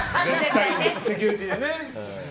セキュリティーでね。